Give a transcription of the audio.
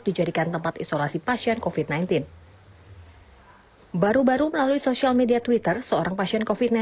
dijadikan tempat isolasi pasien kofit sembilan belas baru baru melalui sosial media twitter seorang pasien kofitna